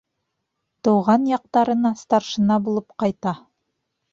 Тыуған яҡтарына старшина булып ҡайта.